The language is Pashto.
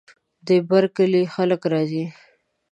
د بر کلي خلک راځي.